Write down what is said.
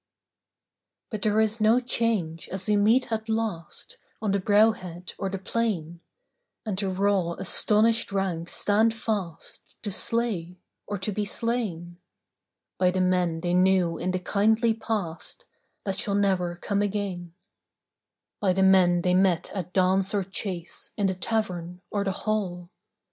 But there is no change as we meet at last On the brow head or the plain, And the raw astonished ranks stand fast To slay or to be slain By the men they knew in the kindly past That shall never come again — By the men they met at dance or chase, In the tavern or the hall.